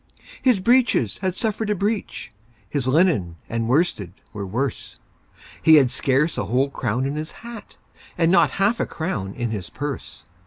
His breeches had suffered a breach, His linen and worsted were worse; He had scarce a whole crown in his hat, And not half a crown in his purse.